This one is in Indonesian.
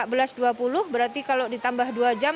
berarti kalau ditambah dua jam